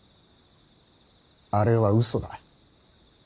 あれは嘘だ。